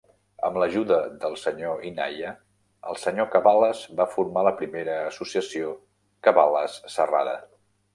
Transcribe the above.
Amb l'ajuda del senyor Inayha, el senyor Cabales va formar la primera associació Cabales Serrada.